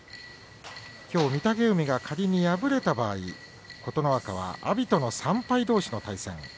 きょう、御嶽海が仮に敗れた場合琴ノ若は阿炎との３敗どうしの対戦。